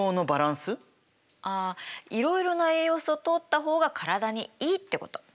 あいろいろな栄養素をとった方が体にいいってこと。